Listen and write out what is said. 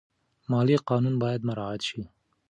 مالي قانون باید مراعات شي.